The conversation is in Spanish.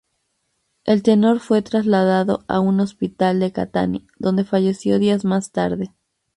El tenor fue traslado a un hospital de Catania, donde falleció días más tarde.